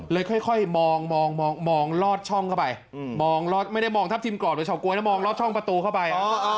เลยค่อยมองมองลอดช่องเข้าไปไม่ได้มองทัพทิมกรอดหรือชาวกล้วยแต่มองลอดช่องประตูเข้าไป